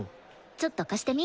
ちょっと貸してみ。